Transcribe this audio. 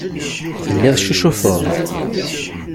Telliḍ teccucufeḍ.